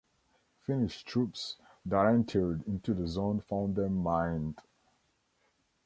Finnish troops that entered into the zone found them mined.